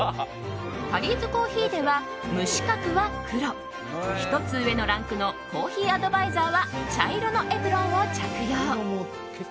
タリーズコーヒーでは無資格は黒１つ上のランクのコーヒーアドバイザーは茶色のエプロンを着用。